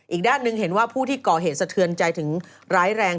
อีกด้านหนึ่งเห็นว่าผู้ที่ก่อเหตุสะเทือนใจถึงร้ายแรง